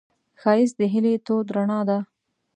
ښایست د هیلې تود رڼا ده